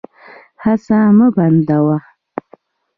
هڅه مه بندوه.